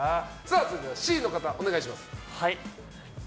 続いてはＣの方、お願いします。